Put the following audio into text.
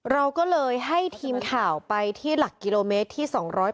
เราก็เลยให้ทีมข่าวไปที่หลักกิโลเมตรที่๒๘